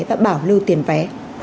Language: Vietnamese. và bảo lưu tiền vé